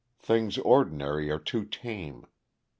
Things ordinary are too tame.